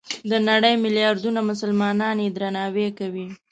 د نړۍ ملیاردونو مسلمانان یې درناوی کوي.